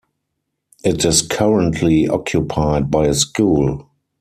It is currently occupied by a school.